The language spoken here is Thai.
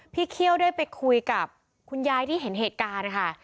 เคี่ยวได้ไปคุยกับคุณยายที่เห็นเหตุการณ์ค่ะ